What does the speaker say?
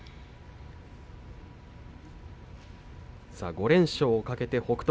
５連勝を懸けて北勝